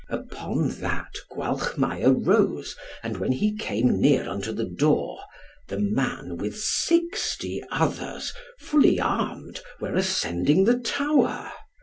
Upon that Gwalchmai arose, and when he came near unto the door, the man, with sixty others, fully armed, were ascending the tower.